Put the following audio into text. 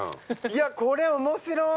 いやこれ面白い。